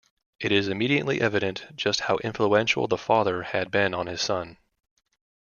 It is immediately evident just how influential the father had been on his son.